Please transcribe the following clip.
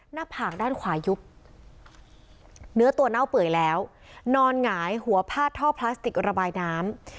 หน้าผากด้านขวายุบเนื้อตัวเน่าเปื่อยแล้วนอนหงายหัวพาดท่อพลาสติกระบายน้ำ